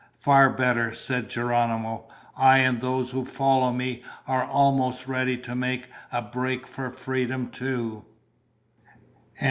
"Far better," said Geronimo. "I and those who follow me are almost ready to make a break for freedom too."